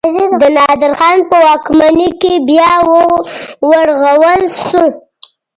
د نادر خان په واکمنۍ کې بیا ورغول شو.